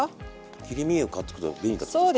切り身を買ってくれば便利だってことですか？